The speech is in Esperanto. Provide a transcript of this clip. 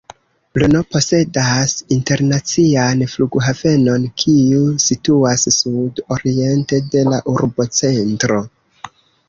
Brno posedas internacian flughavenon, kiu situas sud-oriente de la urbocentro.